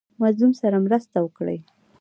مظلوم سره مرسته وکړئ